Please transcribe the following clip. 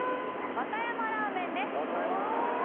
和歌山ラーメン！